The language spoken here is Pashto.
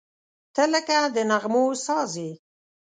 • ته لکه د نغمو ساز یې.